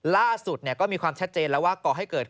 ล่าสุดก็มีความชัดเจนแล้วว่าก่อให้เกิด